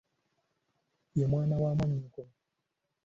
Ye mwana wa mwannyoko.